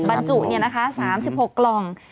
บรรจุนี่นะคะ๓๖กล่อง